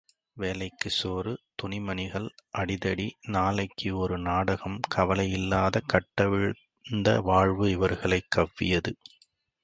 வேளைக்குச் சோறு, துணிமணிகள் அடிதடி, நாளைக்கு ஒரு நாடகம் கவலையில்லாத கட்டவிழ்ந்த வாழ்வு இவர்களைக் கவ்வியது.